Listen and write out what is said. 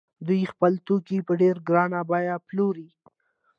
دوی خپل توکي په ډېره ګرانه بیه پلوري